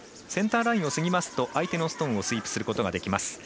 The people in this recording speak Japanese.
センターラインを過ぎますと相手のストーンをスイープすることができます。